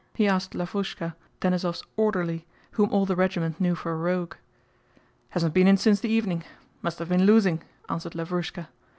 he asked Lavrúshka, Denísov's orderly, whom all the regiment knew for a rogue. "Hasn't been in since the evening. Must have been losing," answered Lavrúshka.